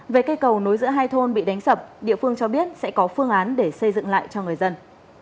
về cây cầu nối giữa hai thôn bị đánh sập địa phương cho biết sẽ có phương án để xây dựng lại cho người dân